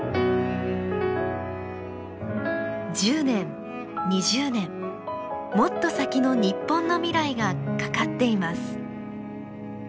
１０年２０年もっと先の日本の未来がかかっています。